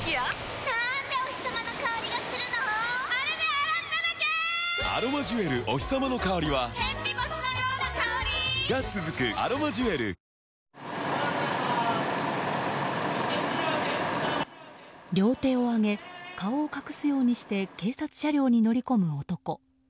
「ほんだし」で両手を上げ顔を隠すようにして警察車両に乗り込む男。